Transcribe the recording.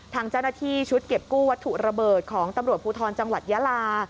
ทางเจ้าหน้าที่ชุดเก็บกู้วัตถุระเบิดของตำรวจภูทรจังหวัดยาลา